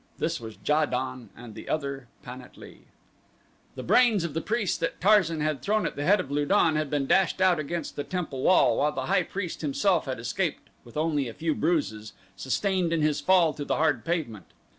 This was Ja don, and the other, Pan at lee. The brains of the priest that Tarzan had thrown at the head of Lu don had been dashed out against the temple wall while the high priest himself had escaped with only a few bruises, sustained in his fall to the hard pavement.